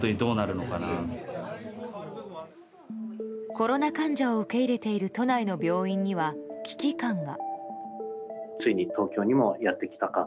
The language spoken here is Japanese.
コロナ患者を受け入れている都内の病院には危機感が。